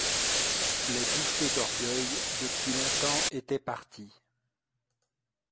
Les bouffées d'orgueil depuis longtemps étaient parties.